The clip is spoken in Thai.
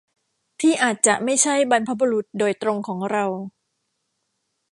ที่อาจจะไม่ใช่บรรพบุรุษโดยตรงของเรา